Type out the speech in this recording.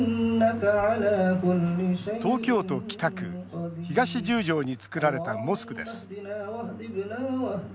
東京都北区東十条に造られたモスクです。